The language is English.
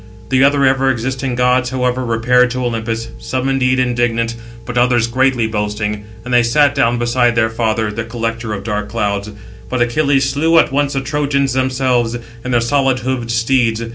The other ever existing gods, however, repaired to Olympus, some indeed indignant, but others greatly boasting. And they sat down beside their father, the collector of dark clouds: but Achilles slew at once the Trojans themselves, and their solid hoofed steeds.